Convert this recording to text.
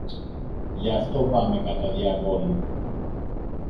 Γι' αυτό πάμε κατά διαβόλου.